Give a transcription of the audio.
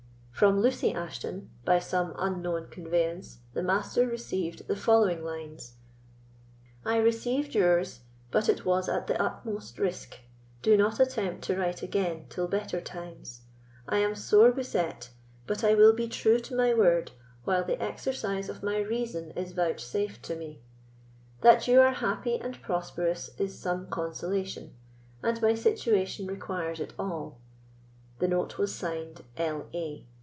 From Lucy Ashton, by some unknown conveyance, the Master received the following lines: "I received yours, but it was at the utmost risk; do not attempt to write again till better times. I am sore beset, but I will be true to my word, while the exercise of my reason is vouchsafed to me. That you are happy and prosperous is some consolation, and my situation requires it all." The note was signed "L.A."